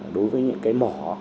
đối với những cái mỏ